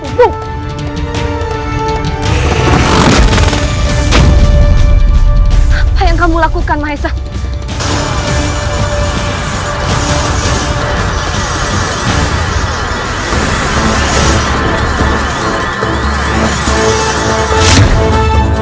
aku harus mengeluhi tenaga dalam yang sangat penting